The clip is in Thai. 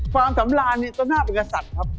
ความสำราญนี่ต้องน่าเป็นกษัตริย์ครับ